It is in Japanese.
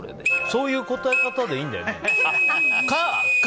そういう答え方でいいんだよね。